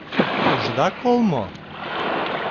Ыжда кол мо?..